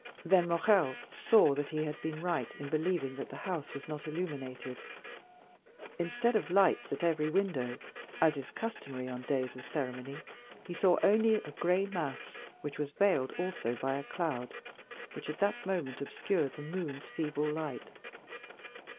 30341m Then Morrel saw that he had been right in believing that the house was not illuminated. Instead of lights at every window, as is customary on days of ceremony, he saw only a gray mass, which was veiled also by a cloud, which at that moment obscured the moon's feeble light.